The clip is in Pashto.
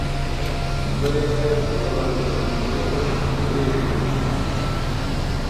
ملگریه ټوله ورځ مې د غنمو لو کړی دی، ډېر بې دمه یم.